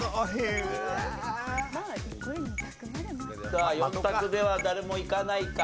さあ４択では誰もいかないか。